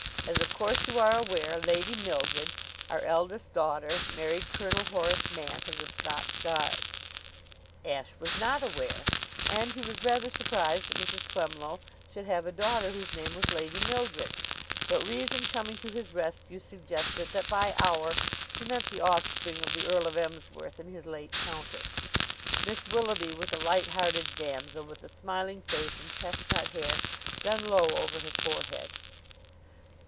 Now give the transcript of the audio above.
As of course you are aware, Lady Mildred, our eldest daughter, married Colonel Horace Mant, of the Scots Guards." Ashe was not aware, and he was rather surprised that Mrs. Twemlow should have a daughter whose name was Lady Mildred; but reason, coming to his rescue, suggested that by our she meant the offspring of the Earl of Emsworth and his late countess. Miss Willoughby was a light hearted damsel, with a smiling face and chestnut hair, done low over her forehead.